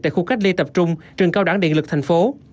tại khu cách ly tập trung trường cao đẳng điện lực thành phố